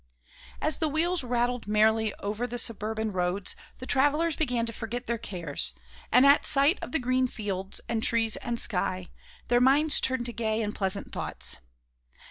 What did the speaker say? As the wheels rattled merrily over the suburban roads the travellers began to forget their cares, and at sight of the green fields and trees and sky, their minds turned to gay and pleasant thoughts.